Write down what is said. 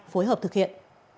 phối hợp thực hiện